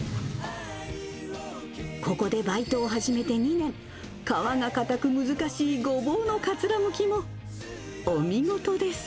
ここでバイトを始めて２年、皮が硬く、難しいゴボウのかつらむきもお見事です。